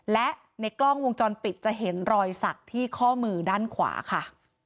และในกล้องวงจรปิดจะเห็นรอยสักที่ข้อมือด้านขวาค่ะ